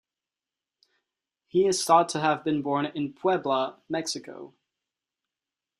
He is thought to have been born in Puebla, Mexico.